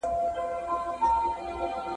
هر مزل مو له پېړیو د اشنا په وینو سور دی ..